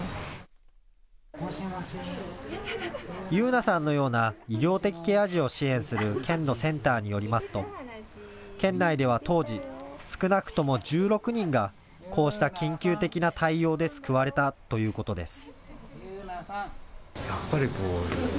佑奈さんのような医療的ケア児を支援する県のセンターによりますと県内では当時、少なくとも１６人がこうした緊急的な対応で救われたということです。